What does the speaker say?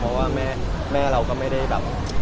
เพราะว่าแม่เราก็ไม่ได้แบบ